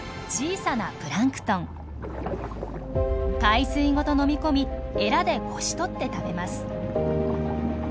海水ごと飲み込みエラでこしとって食べます。